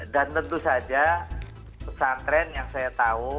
dan tentu saja pesantren yang saya tahu